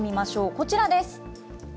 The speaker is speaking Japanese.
こちらです。